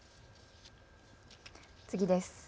次です。